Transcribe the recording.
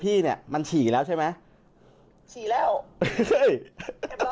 ที่ปรึกษาก่อนนะแต่ว่าไม่ใช่ธนายตั้มแน่นอน